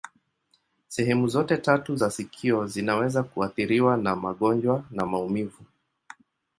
Sehemu zote tatu za sikio zinaweza kuathiriwa na magonjwa na maumivu.